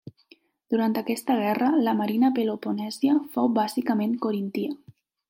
Durant aquesta guerra, la marina peloponèsia fou bàsicament coríntia.